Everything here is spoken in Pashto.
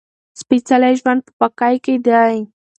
سپېڅلی ژوند په پاکۍ کې دی.